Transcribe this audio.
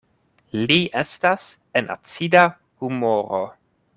Li estas en acida humoro.